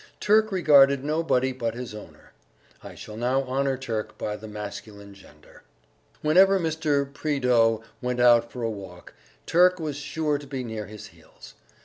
Turk regarded nobody but his owner. (I shall now honour Turk by the masculine gender.) Whenever Mr. Prideaux went out for a walk, Turk was sure to be near his heels.